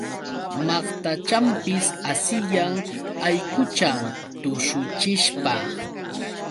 Maqtachanpis asiyan allquchan tushuchishpa.